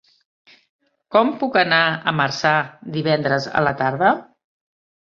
Com puc anar a Marçà divendres a la tarda?